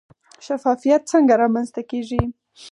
شفافیت څنګه رامنځته کیږي؟